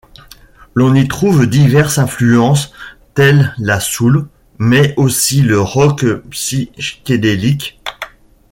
L'on y trouve diverses influences, telles la soul, mais aussi le rock psychédélique.